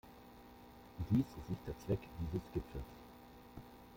Dies ist nicht der Zweck dieses Gipfels.